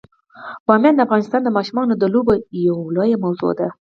بامیان د افغانستان د ماشومانو د لوبو یوه لویه موضوع ده.